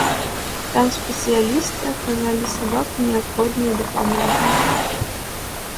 Там спецыялісты аказалі сабаку неабходную дапамогу.